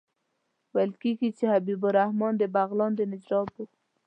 ویل کېږي چې حبیب الرحمن د بغلان د نجراب وو.